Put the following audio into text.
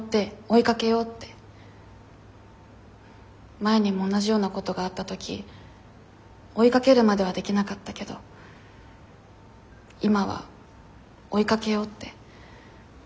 前にも同じようなことがあった時追いかけるまではできなかったけど今は追いかけようって。